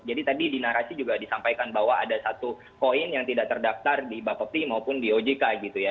jadi tadi di narasi juga disampaikan bahwa ada satu koin yang tidak terdaftar di bapak p maupun di ojk gitu ya